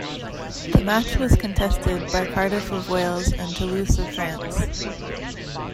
The match was contested by Cardiff of Wales and Toulouse of France.